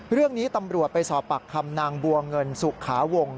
เรื่องนี้ตำรวจไปสอบปากคำนางบัวเงินสุขาวงศ